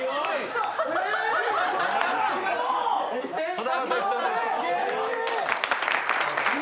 菅田将暉さんです。